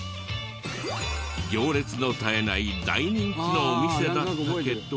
行列の絶えない大人気のお店だったけど。